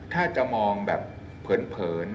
ผมมองแบบเผิน